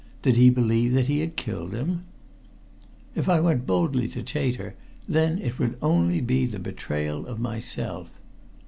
Did he believe that he had killed him? If I went boldly to Chater, then it would only be the betrayal of myself.